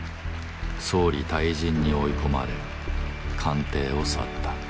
総理退陣に追い込まれ官邸を去った